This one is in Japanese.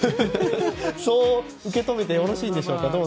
そう受け止めてよろしいんでしょうか。